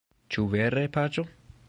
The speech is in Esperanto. Ĉu vere, Paĉo?